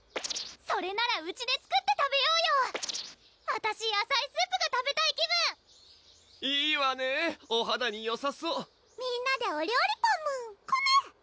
それならうちで作って食べようよあたしやさいスープが食べたい気分いいわねお肌によさそうみんなでお料理パムコメ！